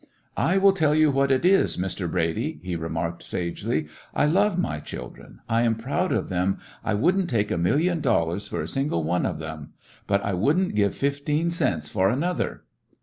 "I will tell you what it is, Mr. Brady," he remarked sagely, "I love my children, I am proud of them, I would n't take a million dol lars for a single one of them ; but I would n't give fifteen cents for another."